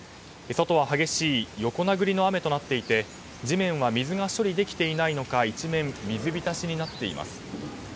外は激しい横殴りの雨となっていて、地面は水を処理できていないのか一面、水浸しになっています。